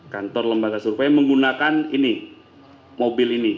kantor lembaga survei menggunakan ini mobil ini